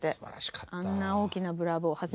あんな大きな「ブラボー」